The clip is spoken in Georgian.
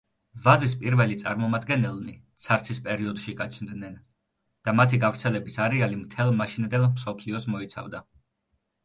ვაზის პირველი წარმომადგენელნი ცარცის პერიოდში გაჩნდნენ და მათი გავრცელების არეალი მთელ მაშინდელ მსოფლიოს მოიცავდა.